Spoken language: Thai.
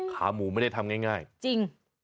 ขาหมูไม่ได้ทำง่ายจริง